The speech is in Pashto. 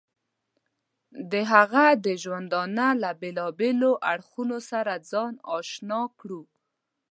د هغه د ژوندانه له بېلابېلو اړخونو سره ځان اشنا کړو.